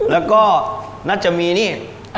แล้วก็น่าจะมีนี่